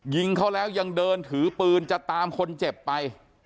ยิงเขาแล้วยังเดินถือปืนจะตามคนเจ็บไป